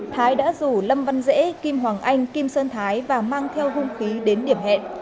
thái đã rủ lâm văn dễ kim hoàng anh kim sơn thái và mang theo hung khí đến điểm hẹn